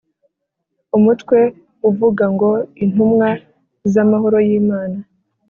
umutwe uvuga ngo Intumwa z Amahoro y Imana